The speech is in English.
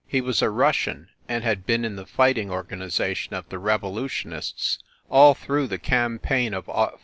He was a Rus sian, and had been in the fighting organization of the Revolutionists all through the campaign of 05.